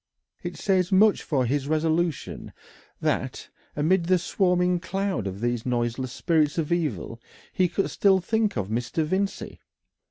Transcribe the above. It says much for his resolution that, amidst the swarming cloud of these noiseless spirits of evil, he could still think of Mr. Vincey.